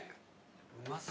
うまそう。